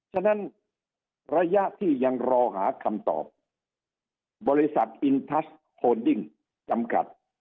ฉะนั้นระยะที่ยังรอหาคำตอบบริษัทจำกัด